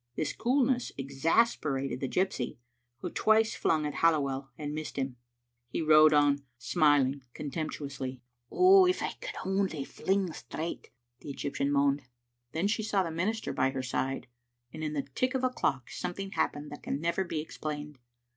This coolness exasperated the gypsy, who twice flung at Halliwell and missed him. He rode on smiling contemptuously. Digitized by VjOOQ IC 62 XCbe Xittle Afnfaten "Oh, if I conld only fling straight!" the Egyptian moaned. Then she saw the minister by her side, and in the tick of a clock something happened that can never be explained.